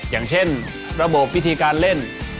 อย่างเช่นระบบวิธีการเล่น